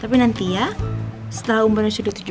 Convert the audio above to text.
tapi nanti ya setelah umurnya sudah tujuh belas tahun